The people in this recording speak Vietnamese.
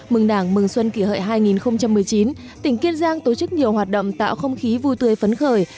mừng đảng mừng xuân kỷ hợi hai nghìn một mươi chín tỉnh kiên giang tổ chức nhiều hoạt động tạo không khí vui tươi phấn khởi